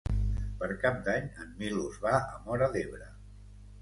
Per Cap d'Any en Milos va a Móra d'Ebre.